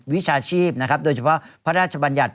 วิชาชีพนะครับโดยเฉพาะพระราชบัญญัติ